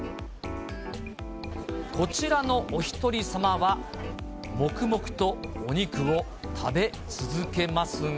こちらのお一人様は、黙々とお肉を食べ続けますが。